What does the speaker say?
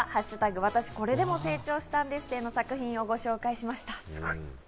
私これでも成長したんです展」について、ご紹介しました。